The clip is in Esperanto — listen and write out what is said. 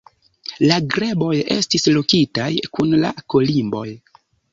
La greboj estis lokitaj kun la kolimboj.